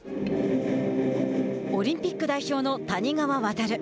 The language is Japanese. オリンピック代表の谷川航。